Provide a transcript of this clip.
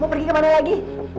mau pergi kemana lagi